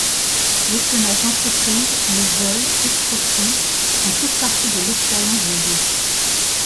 L'espionnage d'entreprise, le vol, escroqueries, font tous partie de l'expérience de jeu.